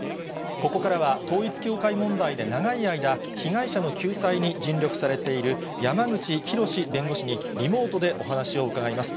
ここからは、統一教会問題で長い間、被害者の救済に尽力されている、山口広弁護士に、リモートでお話を伺います。